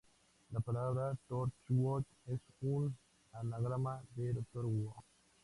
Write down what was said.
La palabra "Torchwood" es un anagrama de "Doctor Who".